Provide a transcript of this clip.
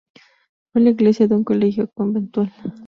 Fue la iglesia de un colegio conventual.